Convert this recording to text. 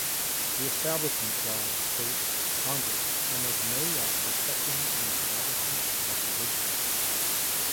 The Establishment Clause states: "Congress shall make no law respecting an establishment of religion".